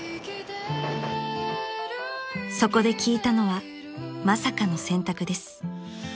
［そこで聞いたのはまさかの選択です］